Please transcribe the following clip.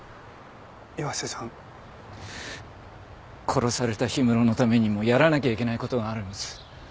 殺された氷室のためにもやらなきゃいけない事があるんです。